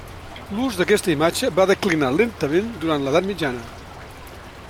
L'ús d'aquesta imatge va declinar lentament durant l'edat mitjana.